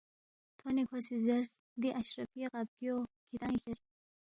تھونے کھو سی زیرس، دی اشرفی غا بگیو کِھدان٘ی کھیر